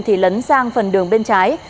thì lấn sang phần đường bên trái